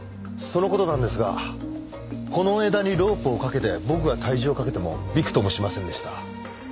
その事なんですがこの枝にロープをかけて僕が体重をかけてもびくともしませんでした。